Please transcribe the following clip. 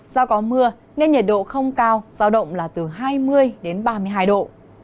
do có mưa nên nhiệt độ không cao giao động là từ hai mươi đến ba mươi hai độ